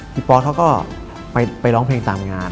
ปอสเขาก็ไปร้องเพลงตามงาน